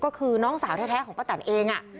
ก็คือน้องสาวแท้ของป้าแตนเอง